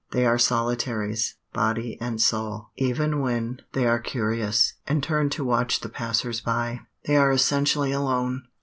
They are solitaries, body and soul; even when they are curious, and turn to watch the passer by, they are essentially alone.